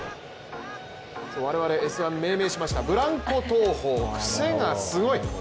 我々、「Ｓ☆１」命名しましたブランコ投法癖がすごい！